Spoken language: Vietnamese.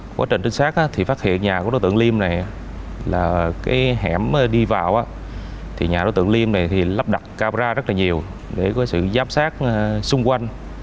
quá trình trinh sát thì phát hiện nhà của đối tượng liêm này là cái hẻm đi vào thì nhà đối tượng liêm này thì lắp đặt camera rất là nhiều để có sự giám sát xung quanh